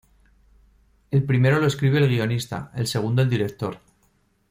El primero lo escribe el guionista; el segundo, el director.